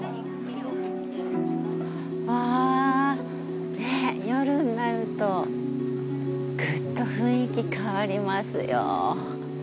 あねっ夜になるとぐっと雰囲気変わりますよ。